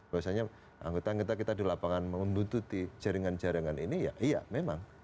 bahwasanya anggota anggota kita di lapangan membutuhkan jaringan jaringan ini ya iya memang